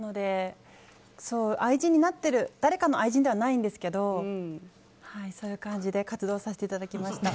誰かの愛人ではないんですけどそういう感じで活動させていただきました。